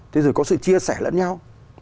thế rồi có sự chia sẻ lẫn nhau